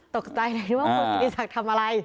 ตกใจเลยว่าคุณกิติศักดิ์ทำอะไร